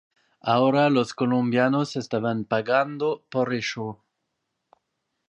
Ahora los colombianos estaban pagando por ello.